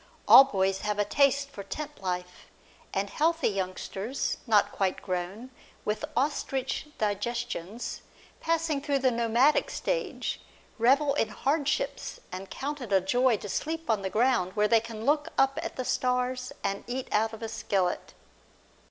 All boys have a taste for tent life, and healthy youngsters not quite grown, with ostrich digestions, passing through the nomadic stage, revel in hardships and count it a joy to sleep on the ground where they can look up at the stars, and eat out of a skillet.